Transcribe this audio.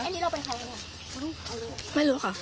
อันนี้เราไปเข้าแล้วไม่รู้ค่ะ